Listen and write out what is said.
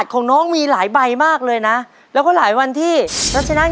ของน้องมีหลายใบมากเลยนะแล้วก็หลายวันที่แล้วชนะ